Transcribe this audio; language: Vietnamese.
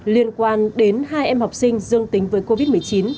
liên quan đến hai em học sinh dương tính với covid một mươi chín